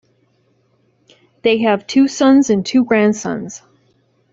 They have two sons and two grandsons.